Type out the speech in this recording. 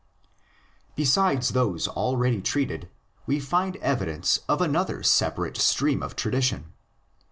BESIDES those already treated we find evidence of another separate stream of tradition.